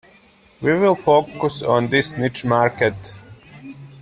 We will focus on this niche market.